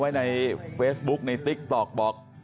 ก้าวให้ไกลกว่าเดิม